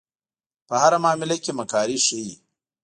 په هره معامله کې مکاري ښيي.